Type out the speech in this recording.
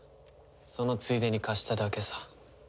そのついでに貸しただけさ。